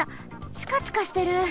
チカチカしてる！